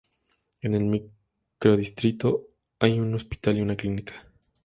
En el microdistrito hay un hospital y una clínica.